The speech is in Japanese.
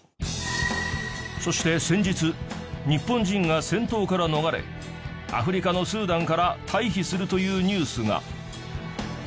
そして先日日本人が戦闘から逃れアフリカのスーダンから退避するというニュースが。